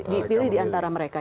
dipilih di antara mereka